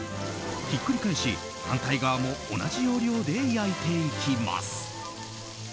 ひっくり返し、反対側も同じ要領で焼いていきます。